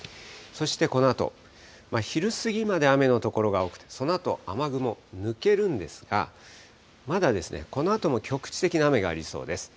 そしてこのあと、昼過ぎまで雨の所が多く、そのあと雨雲、抜けるんですが、まだこのあとも局地的な雨がありそうです。